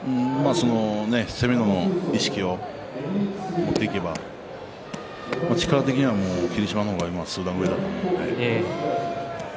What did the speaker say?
攻めの意識を持っていけば力的には霧島の方が数段上だと思うので。